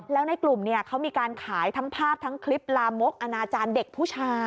แล้วในกลุ่มเนี่ยเขามีการขายทั้งภาพทั้งคลิปลามกอนาจารย์เด็กผู้ชาย